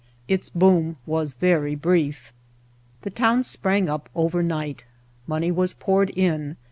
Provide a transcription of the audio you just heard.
Its boom was very brief. The town sprang up over night. Money was poured in.